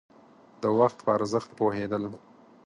د وخت په ارزښت پوهېدل.